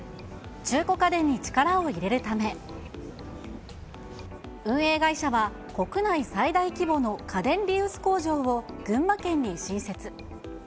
中古家電に力を入れるため、運営会社は、国内最大規模の家電リユース工場を群馬県に新設。